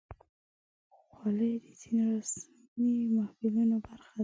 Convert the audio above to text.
خولۍ د ځینو رسمي محفلونو برخه ده.